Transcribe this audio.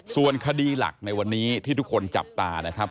ส่วนคดีหลักในวันนี้ที่ทุกคนจับตานะครับ